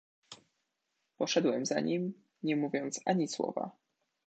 "Poszedłem za nim, nie mówiąc ani słowa."